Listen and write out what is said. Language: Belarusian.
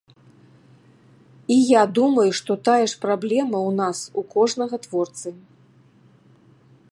І я думаю, што тая ж праблема ў нас у кожнага творцы.